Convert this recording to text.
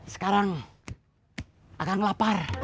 sekarang akan lapar